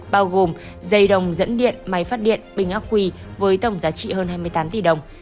bao gồm dây đồng dẫn điện máy phát điện bình ác quỳ với tổng giá trị hơn hai mươi tám tỷ đồng